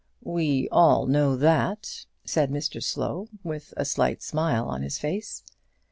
"We all know that," said Mr Slow, with a slight smile on his face.